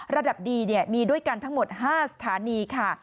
ระดับดีมีด้วยกันทั้งหมด๕สถานีค่ะ